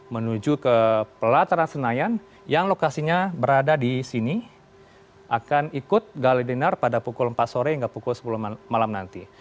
menuju ke pelataran senayan yang lokasinya berada di sini akan ikut gale dinar pada pukul empat sore hingga pukul sepuluh malam nanti